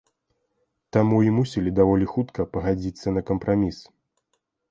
Таму і мусілі даволі хутка пагадзіцца на кампраміс.